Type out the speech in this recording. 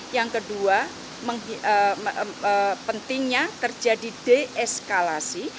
yang kedua pentingnya terjadi deeskalasi